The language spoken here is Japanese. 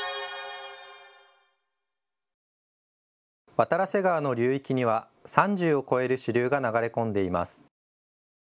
渡良瀬川の流域には３０を超える支流が流れ込んでいます。